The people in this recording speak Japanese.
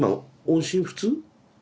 音信不通？